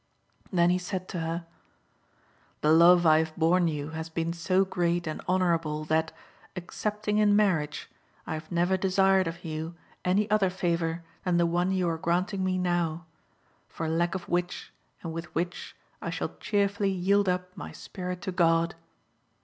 Then he said to her " The love I have borne you has been so great and honourable, that, excepting in marriage, I have never desired of you any other favour than the one you are granting me now, for lack of which and with which I shall cheerfully yield up my spirit to God.